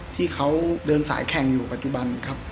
ที่เขาเดินสายแข่งอยู่ปัจจุบันครับ